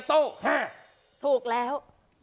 ถูกแล้ว